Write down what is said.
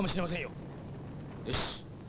よし。